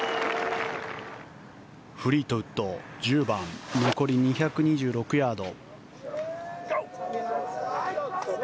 フリートウッド、１０番残り２２６ヤード。